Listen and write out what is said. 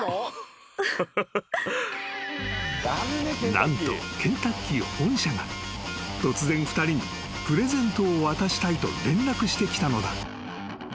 ［何とケンタッキー本社が突然２人にプレゼントを渡したいと連絡してきたのだ］